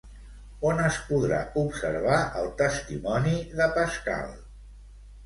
On es podrà observar el testimoni de Pascal?